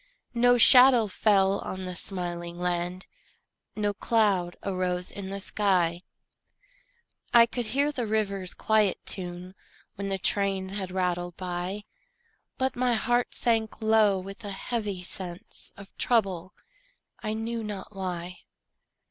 No shadow fell on the smiling land, No cloud arose in the sky; I could hear the river's quiet tune When the trains had rattled by; But my heart sank low with a heavy sense Of trouble, I knew not why.